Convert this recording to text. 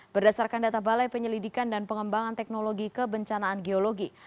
berdasarkan data balai penyelidikan dan pengembangan teknologi kebencanaan geologi